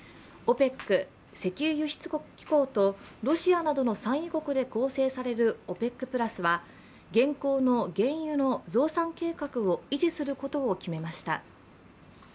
ＯＰＥＣ＝石油輸出国機構とロシアなどの産油国で構成されるＯＰＥＣプラスは現行の原油の増産計画を維持することを決めました。